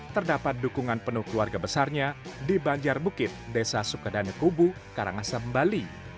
terdapat dukungan penuh keluarga besarnya di banjar bukit desa sukadane kubu karangasem bali